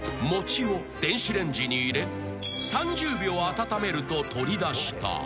餅を電子レンジに入れ３０秒温めると取り出した］